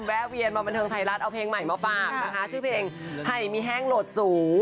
แวนมาบันเทิงไทยรัฐเอาเพลงใหม่มาฝากนะคะชื่อเพลงให้มีแห้งโหลดสูง